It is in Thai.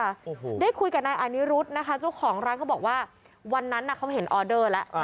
โอ้โหได้คุยกับนายอานิรุธนะคะเจ้าของร้านเขาบอกว่าวันนั้นน่ะเขาเห็นออเดอร์แล้ว